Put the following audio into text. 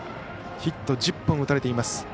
ヒット１０本打たれています。